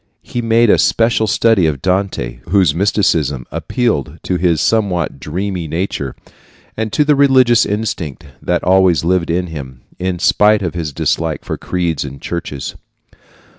He made a special study of Dante, whose mysticism appealed to his somewhat dreamy nature, and to the religious instinct that always lived in him, in spite of his dislike for creeds and churches.